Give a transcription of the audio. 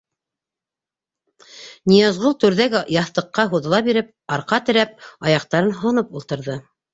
Ныязғол, түрҙәге яҫтыҡҡа һуҙыла биреп арҡа терәп, аяҡтарын һоноп ултырҙы.